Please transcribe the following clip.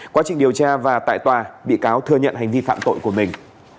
quá trình điều tra và tại tòa bị cáo thừa nhận hành vi phạm tội của mình